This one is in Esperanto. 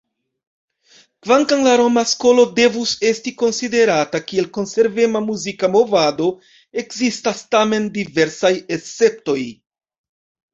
Kvankam la "Roma Skolo" devus esti konsiderata kiel konservema muzika movado, ekzistas tamen diversaj esceptoj.